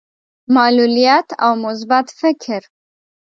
معلوليت او مثبت فکر.